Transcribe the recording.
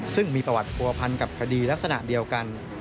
ซึ่งมีประวัติผัวพันกับคดีลักษณะเดียวกัน